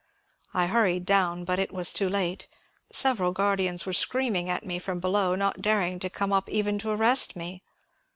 I hurried down, but it was too late ; several guardians were screaming at me from below, not daring to come up even to arrest me.